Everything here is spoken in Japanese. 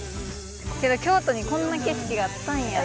けど京都にこんな景色があったんや。